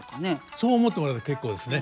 そう思ってもらえば結構ですね。